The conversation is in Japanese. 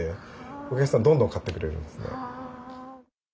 どんどん買ってくれるんですね。